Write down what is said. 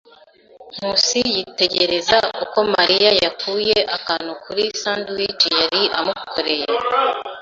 Nkusi yitegereza uko Mariya yakuye akantu kuri sandwich yari amukoreye.